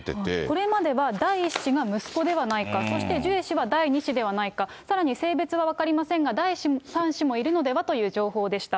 これまでは第１子が息子ではないか、そしてジュエ氏は第２子ではないか、さらに性別は分かりませんが、第３子もいるのではという情報でした。